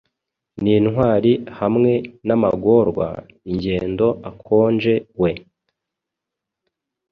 Nintwali hamwe namagorwa-ingendo akonje we